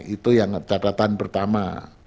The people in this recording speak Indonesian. itu yang catatan pertama